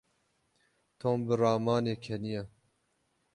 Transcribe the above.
Tom bi ramanê keniya.